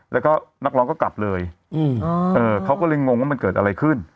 แล้วก็นักร้องก็กลับเลยเขาก็เลยงงว่ามันเกิดอะไรขึ้น